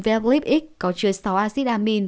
v lib x có chứa sáu acid amine